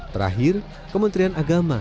terakhir kementerian agama